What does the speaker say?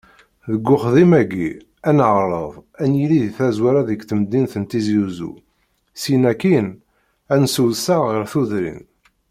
Deg uxeddim-agi, ad neɛreḍ, ad yili di tazwara di temdint n Tizi Uzzu, syin akin ad nessewseɛ ɣer tudrin.